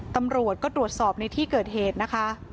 ตำรวจก็ตรวจสอบในที่เกิดเหตุนะคะ